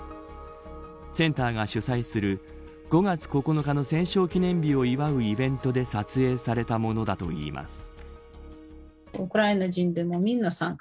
センターが主催する５月９日の戦勝記念日を祝うイベントで撮影されたものだといいます。